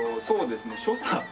そうですね所作。